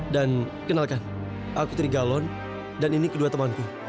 dan kenalkan aku trigalon dan ini kedua temanku